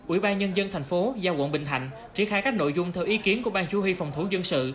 ủy ban nhân dân tp hcm triển khai các nội dung theo ý kiến của ban chú huy phòng thủ dân sự